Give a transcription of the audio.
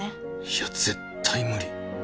いや絶対無理。